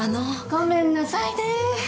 ごめんなさいね。